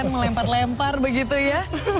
melempar lempar begitu ya